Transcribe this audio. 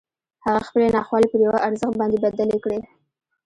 هغه خپلې ناخوالې پر یوه ارزښت باندې بدلې کړې